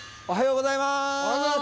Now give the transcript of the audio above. おはようございます。